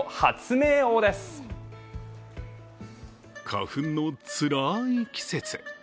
花粉のつらい季節。